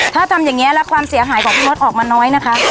ถ้าทำอย่างนี้แล้วความเสียหายของพี่มดออกมาน้อยนะคะ